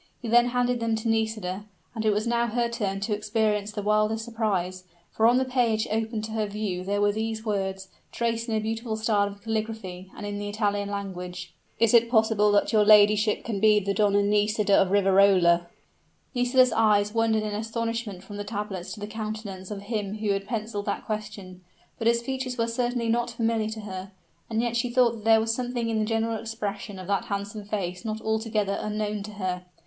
He then handed them to Nisida; and it was now her turn to experience the wildest surprise for on the page opened to her view were these words, traced in a beautiful style of calligraphy, and in the Italian language: "Is it possible that your ladyship can be the Donna Nisida of Riverola?" Nisida's eyes wandered in astonishment from the tablets to the countenance of him who had penciled that question; but his features were certainly not familiar to her and yet she thought that there was something in the general expression of that handsome face not altogether unknown to her.